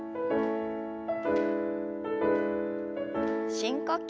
深呼吸。